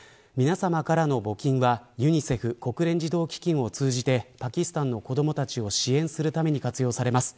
皆さまからの募金はユニセフ国連児童基金を通じてパキスタンの子どもたちを支援するために活用されます。